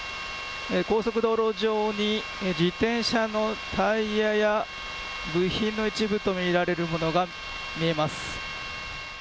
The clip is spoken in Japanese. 高速道路上に自転車のタイヤや部品の一部と見られるものが見えます。